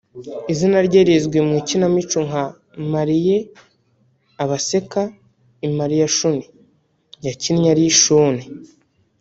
Izina rye rizwi mu makinamico nka “Mpariye abaseka[imari ya shuni]” yakinnye ari Shuni